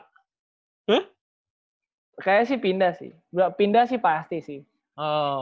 kayaknya sih pindah sih pindah sih pasti sih